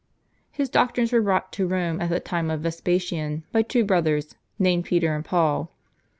His doctrines were brought to Rome at the time of Vespasian by two brothers named Peter and Paul.